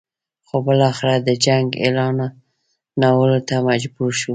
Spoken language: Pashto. خو بالاخره د جنګ اعلانولو ته مجبور شو.